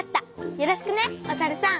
よろしくねおさるさん！